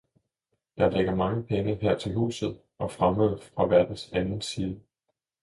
Der ligger mange penge her til huset, og fremmede fra verdens anden side